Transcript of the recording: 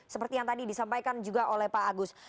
seperti yang tadi disampaikan juga oleh pak agus